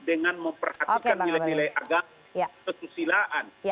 dengan memperhatikan nilai nilai agama kesusilaan